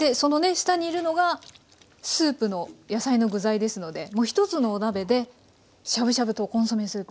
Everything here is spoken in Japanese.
下にいるのがスープの野菜の具材ですのでもう１つのお鍋でしゃぶしゃぶとコンソメスープ